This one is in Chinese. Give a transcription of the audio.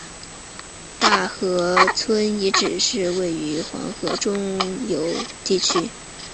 大河村遗址是位于黄河中游地区的新石器时代遗址。